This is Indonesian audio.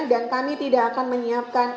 dan kami tidak akan menyiapkan